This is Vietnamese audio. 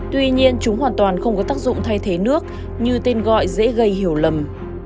tuy nhiên chúng hoàn toàn không có tác dụng thay thế nước như tên gọi dễ gây hiểu lầm